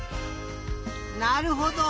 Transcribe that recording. なるほど！